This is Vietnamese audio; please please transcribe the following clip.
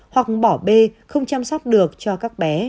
hoặc bỏ bê không chăm sóc được cho các bé